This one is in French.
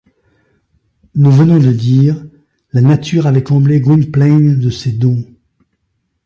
Nous venons de dire: la nature avait comblé Gwynplaine de ses dons.